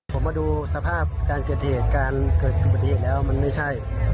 ผมมาดูสภาพการเกิดเหตุการเกิดอุบัติเหตุแล้วมันไม่ใช่